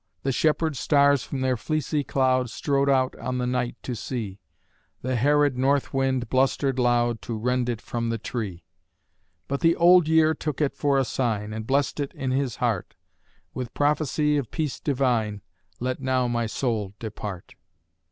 The shepherd stars from their fleecy cloud Strode out on the night to see; The Herod north wind blustered loud To rend it from the tree. But the old year took it for a sign, And blessed it in his heart: "With prophecy of peace divine, Let now my soul depart."